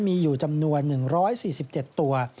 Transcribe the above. มีอยู่จำนวน๑๔๗ตัว